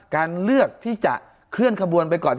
การเลือกที่จะเคลื่อนขบวนไปก่อน